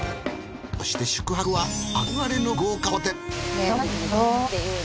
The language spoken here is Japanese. そして宿泊は憧れの豪華ホテル。